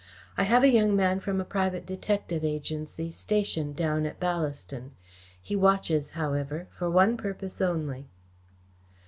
I have a young man from a private detective agency stationed down at Ballaston. He watches, however, for one purpose only."